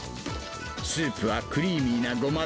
スープはクリーミーなゴマ